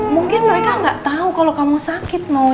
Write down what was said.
mungkin mereka gak tau kalo kamu sakit nuh